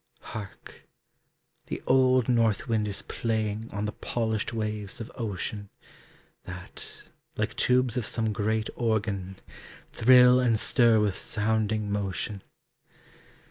Hark! the old northwind is playing On the polished waves of ocean, That, like tubes of some great organ, Thrill and stir with sounding motion.